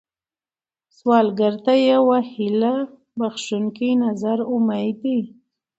سوالګر ته یو هيله بښونکی نظر امید دی